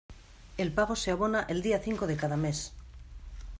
El pago se abona el día cinco de cada mes.